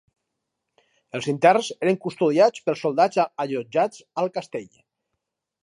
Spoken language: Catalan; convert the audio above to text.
Els interns eren custodiats pels soldats allotjats al castell.